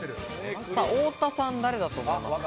太田さん、誰だと思いますか？